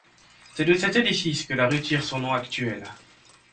C'est de cet édifice que la rue tire son nom actuel.